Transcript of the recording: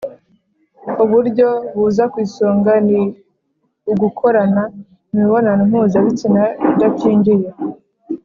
uburyo buza ku isonga ni ugukorana imibonano mpuzabitsina idakingiye